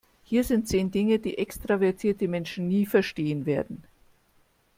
Hier sind zehn Dinge, die extravertierte Menschen nie verstehen werden.